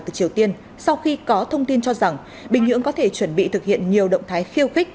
từ triều tiên sau khi có thông tin cho rằng bình nhưỡng có thể chuẩn bị thực hiện nhiều động thái khiêu khích